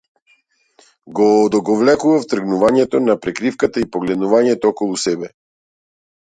Го одолговлекував тргнувањето на прекривката и погледнувањето околу себе.